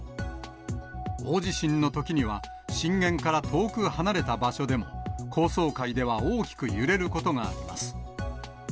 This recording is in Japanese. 大地震のときには、震源から遠く離れた場所でも、高層階では大きく揺れることがあります。